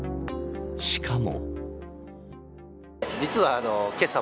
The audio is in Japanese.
しかも。